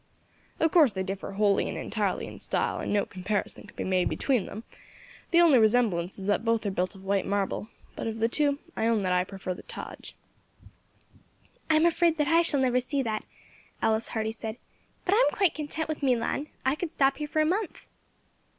Of course they differ wholly and entirely in style, and no comparison can be made between them; the only resemblance is that both are built of white marble; but of the two, I own that I prefer the Taj." "I am afraid I shall never see that," Alice Hardy said, "but I am quite content with Milan; I could stop here for a month."